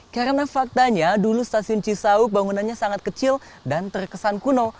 karena faktanya dulu stasiun cisauk bangunannya sangat kecil dan terkesan kuno